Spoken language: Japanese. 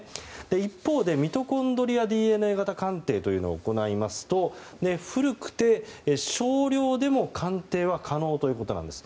一方で、ミトコンドリアＤＮＡ型鑑定を行いますと古くて少量でも鑑定は可能ということなんです。